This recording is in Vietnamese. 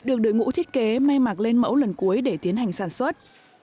được đội ngũ thiết kế may mặc lên mẫu lần cuối để tiến hành sản xuất